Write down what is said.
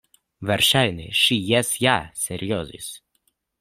Verŝajne ŝi jes ja seriozis.